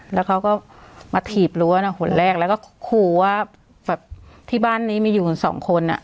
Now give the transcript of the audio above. แล้วเขาก็มาถีบรั้วนะคนแรกแล้วก็ขู่ว่าแบบที่บ้านนี้มีอยู่กันสองคนอ่ะ